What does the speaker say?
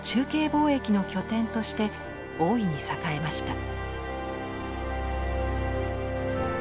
貿易の拠点として大いに栄えました。